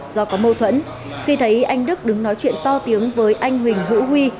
do có mâu thuẫn khi thấy anh đức đứng nói chuyện to tiếng với anh huỳnh hữu huy